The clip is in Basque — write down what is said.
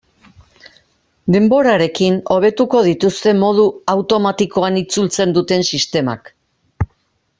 Denborarekin hobetuko dituzte modu automatikoan itzultzen duten sistemak.